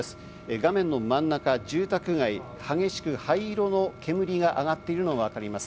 画面の真ん中、住宅街、激しく灰色の煙が上がっているのがわかります。